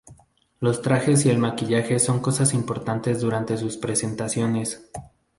Los trajes y el maquillaje son cosas importantes durante sus presentaciones.